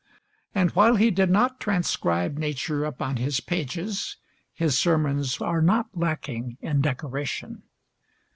And while he did not transcribe nature upon his pages, his sermons are not lacking in decoration.